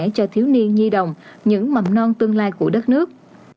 cho thiếu niên nhi đồng những mầm non tương lai của đất nước